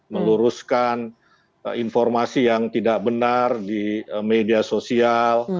meluruskan informasi yang tidak benar di media sosial